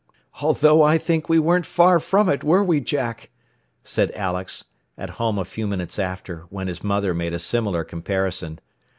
"Although I think we weren't far from it, were we, Jack?" said Alex, at home a few minutes after, when his mother made a similar comparison.